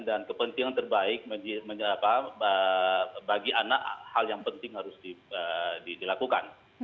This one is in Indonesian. dan kepentingan terbaik bagi anak hal yang penting harus dilakukan